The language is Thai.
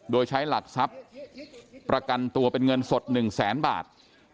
โดยใช้หลักทรัพย์ประกันตัวเป็นเงินสด๑แสนบาท